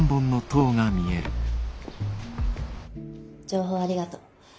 「情報ありがとう。